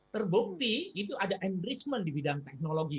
terbukti itu ada enrichment di bidang teknologi